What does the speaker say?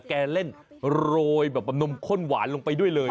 แกเล่นโรยแบบนมข้นหวานลงไปด้วยเลย